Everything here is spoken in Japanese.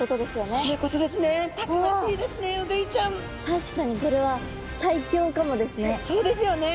確かにこれは最強かもですね。